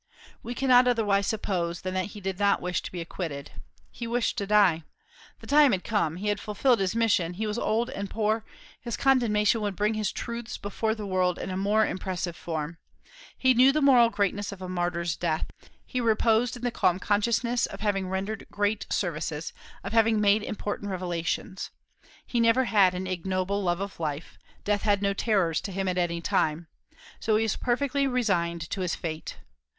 We cannot otherwise suppose than that he did not wish to be acquitted. He wished to die. The time had come; he had fulfilled his mission; he was old and poor; his condemnation would bring his truths before the world in a more impressive form. He knew the moral greatness of a martyr's death. He reposed in the calm consciousness of having rendered great services, of having made important revelations. He never had an ignoble love of life; death had no terrors to him at any time. So he was perfectly resigned to his fate.